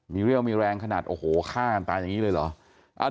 มีเรี่ยวมีแรงขนาดโอ้โหฆ่ากันตายอย่างนี้เลยเหรอ